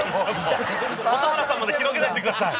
蛍原さんまで広げないでください。